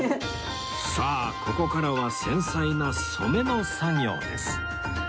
さあここからは繊細な染めの作業です